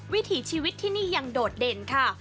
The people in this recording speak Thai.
วิถีชีวิตที่นี่ยังโดดเด่นค่ะ